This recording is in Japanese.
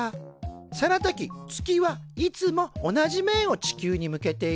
その時月はいつも同じ面を地球に向けているよ。